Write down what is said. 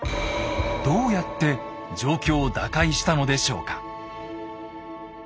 どうやって状況を打開したのでしょうか？